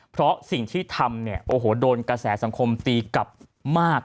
เพราะสิ่งที่ทำเนี่ยโอ้โหโดนกระแสสังคมตีกลับมาก